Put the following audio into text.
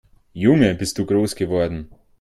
Junge, bist du groß geworden!